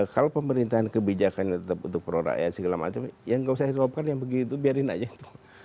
kalau pemerintahan kebijakannya tetap untuk pro rakyat segala macam ya nggak usah diluapkan yang begitu biarin aja itu